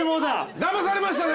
だまされましたね！